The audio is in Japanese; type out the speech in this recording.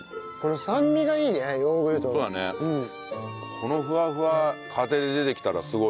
このふわふわ家庭で出てきたらすごいね。